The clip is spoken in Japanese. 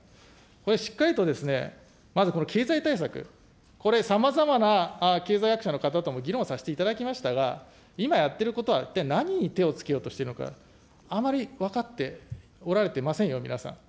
これ、しっかりとですね、まずこの経済対策、これ、さまざまな経済学者の方とも議論させていただきましたが、今やってることは、一体何に手を付けようとしているのか、あまり分かっておられていませんよ、皆さん。